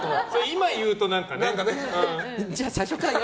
今言うと、何かね。